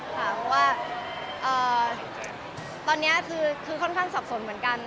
เพราะว่าตอนนี้คือค่อนข้างสับสนเหมือนกัน